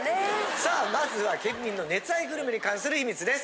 さあまずは県民の熱愛グルメに関する秘密です。